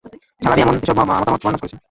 ছালাবী এসব মতামত বর্ণনা করেছেন।